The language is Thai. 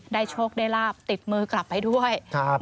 ได้โชคได้ลาบติดมือกลับไปด้วย